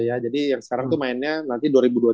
ya jadi yang sekarang tuh mainnya nanti dua ribu dua puluh empat